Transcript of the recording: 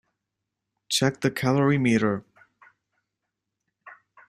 Check the calorimeter.